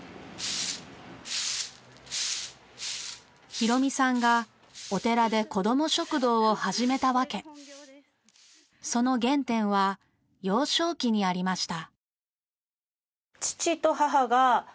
浩美さんがお寺でこども食堂を始めた訳その原点は幼少期にありました。